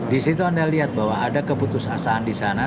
di situ anda lihat bahwa ada keputusan di sana